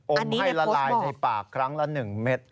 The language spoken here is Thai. อมให้ละลายในปากครั้งละ๑เม็ด